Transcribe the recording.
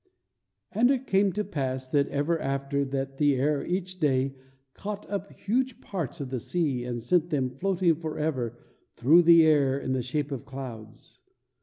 And it came to pass that ever after that the air each day caught up huge parts of the sea and sent them floating forever through the air in the shape of clouds.